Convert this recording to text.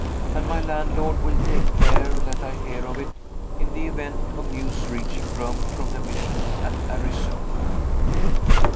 And my landlord will take care that I hear of it, in the event of news reaching Rome from the Mission at Arizona.